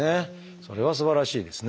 それはすばらしいですね。